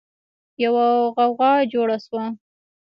يوه غوغا جوړه شوه.